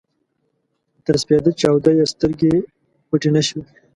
تر سپېده چاوده يې سترګې پټې نه شوې.